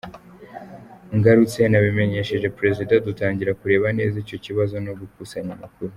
Ngarutse nabimenyesheje Perezida dutangira kureba neza icyo kibazo no gukusanya amakuru.